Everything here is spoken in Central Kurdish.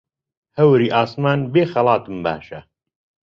هەوری ئاسمان بێ خەڵاتم باشە